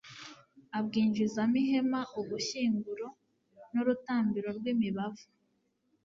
abwinjizamo ihema ubushyinguro n'urutambiro rw'imibavu